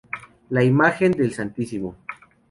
La imagen del Stmo.